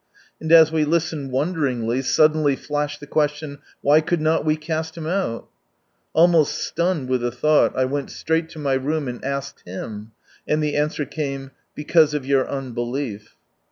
And as we listened wonderingly, suddenly flashed the question, " Why could not we cast him out ?" Almost stunned with the thought, I went straight to my room, and asked Him. And the answer came, " Because of your unbelief."